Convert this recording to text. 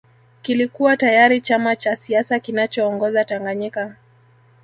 kilikuwa tayari chama cha siasa kinachoongoza Tanganyika